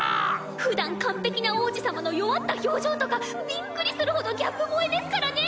ふだん完璧な王子様の弱った表情とかびっくりするほどギャップ萌えですからね！